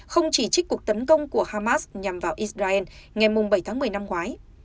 không chỉ trích cuộc tấn công của hamas nhằm vào israel ngày bảy tháng một mươi năm ngoái